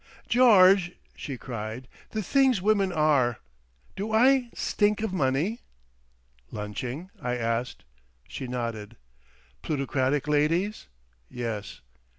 "George," she cried, "the Things women are! Do I stink of money?" "Lunching?" I asked. She nodded. "Plutocratic ladies?" "Yes."